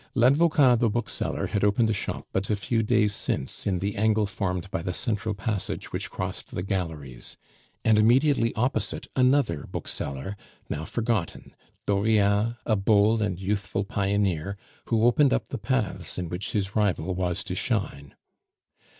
Ladvocat the bookseller had opened a shop but a few days since in the angle formed by the central passage which crossed the galleries; and immediately opposite another bookseller, now forgotten, Dauriat, a bold and youthful pioneer, who opened up the paths in which his rival was to shine.